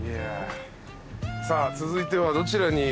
さあ続いてはどちらに？